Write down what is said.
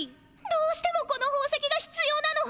どうしてもこの宝石がひつようなの！